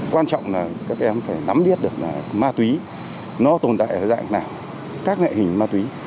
quan trọng là các em phải nắm biết được là ma túy nó tồn tại ở dạng nào các loại hình ma túy